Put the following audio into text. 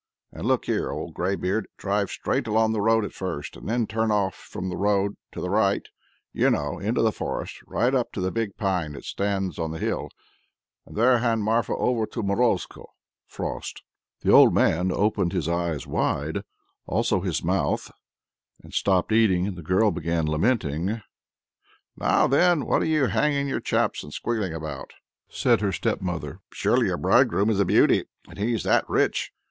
And look here, old greybeard! drive straight along the road at first, and then turn off from the road to the right, you know, into the forest right up to the big pine that stands on the hill, and there hand Marfa over to Morozko (Frost)." The old man opened his eyes wide, also his mouth, and stopped eating, and the girl began lamenting. "Now then, what are you hanging your chaps and squealing about?" said her stepmother. "Surely your bridegroom is a beauty, and he's that rich!